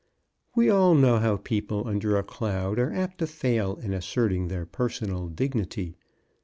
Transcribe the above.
We all know how people under a cloud are apt to fail in asserting their personal dignity.